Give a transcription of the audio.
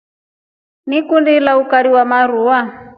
Ngikundi ilya ukari wa maruva.